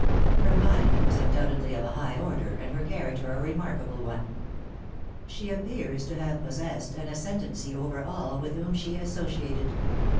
Her mind was undoubtedly of a high order, and her character a remarkable one. She appears to have possessed an ascendancy over all with whom she associated.